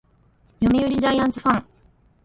読売ジャイアンツファン